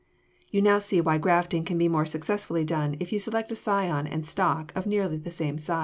You now see why grafting can be more successfully done if you select a scion and stock of nearly the same size.